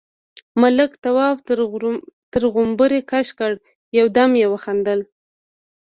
ملک، تواب تر غومبري کش کړ، يو دم يې وخندل: